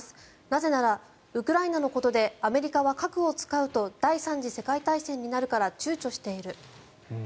なぜならウクライナのことでアメリカは核を使うと第３次世界大戦になるから躊躇している。